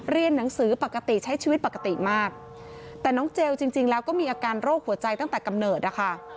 เรียนหนังสือปกติใช้ชีวิตปกติมากแต่น้องเจลจริงแล้วก็มีอาการโรคหัวใจตั้งแต่กำเนิดนะคะ